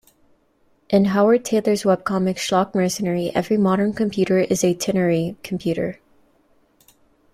In Howard Tayler's webcomic "Schlock Mercenary", every modern computer is a ternary computer.